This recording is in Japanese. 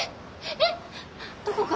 えっどこから？